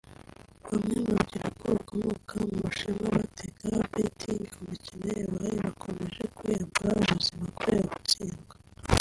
bamwe mu rubyiruko rukomoka mu Bushinwa batega (betting) ku mikino yabaye bakomeje kwiyambura ubuzima kubera gutsindwa